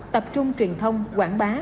tập trung truyền thông quảng bá